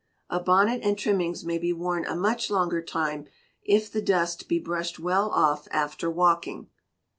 A bonnet and trimmings may be worn a much longer time, if the dust be brushed well off after walking.